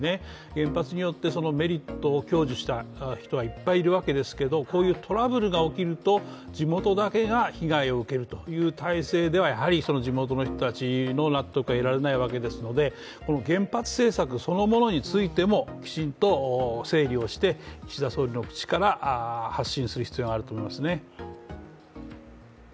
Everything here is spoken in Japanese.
原発によって、メリットを享受した人はいっぱいいるんですがこういうトラブルが起きると地元だけが被害を受けるという体制ではやはり地元の人たちの納得は得られないわけですので原発政策そのものについてもきちんと整理をして岸田総理の口から発信する必要があると思いますね。